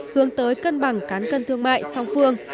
hướng tới cân bằng cán cân thương mại song phương